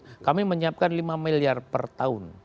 jadi kami menyiapkan lima miliar per tahun